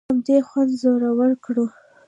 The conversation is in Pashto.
همدې خوند زړور کړو.